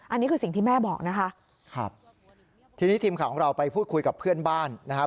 อันนี้คือสิ่งที่แม่บอกนะคะครับทีนี้ทีมข่าวของเราไปพูดคุยกับเพื่อนบ้านนะครับ